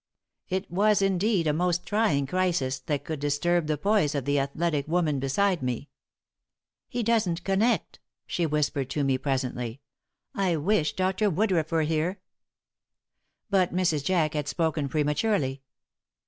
It was indeed a most trying crisis that could disturb the poise of the athletic woman beside me. "He doesn't connect," she whispered to me, presently. "I wish Dr. Woodruff were here." But Mrs. Jack had spoken prematurely.